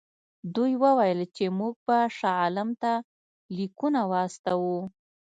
دوی وویل چې موږ به شاه عالم ته لیکونه واستوو.